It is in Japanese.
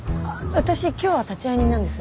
私今日は立会人なんです。